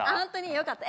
よかった。